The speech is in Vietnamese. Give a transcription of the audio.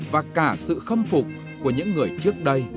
và cả sự khâm phục của những người trước đây